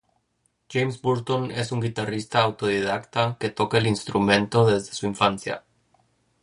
James Burton es un guitarrista autodidacta que toca el instrumento desde su infancia.